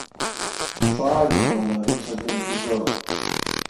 Five of the letters have been preserved.